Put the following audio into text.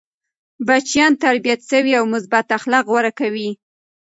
بچيان تربیت سوي او مثبت اخلاق غوره کوي.